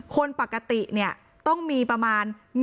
คนปกติเนี่ยต้องมีประมาณ๑๕๐๐๐๐๐